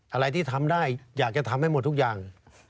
อะไรที่ทำได้อยากจะทำให้หมดทุกอย่าง